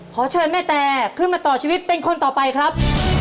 ขอเชิญแม่แตขึ้นมาต่อชีวิตเป็นคนต่อไปครับ